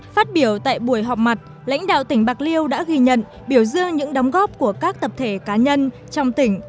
phát biểu tại buổi họp mặt lãnh đạo tỉnh bạc liêu đã ghi nhận biểu dương những đóng góp của các tập thể cá nhân trong tỉnh